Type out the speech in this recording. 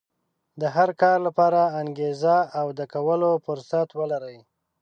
د هر کار لپاره انګېزه او د کولو فرصت ولرئ.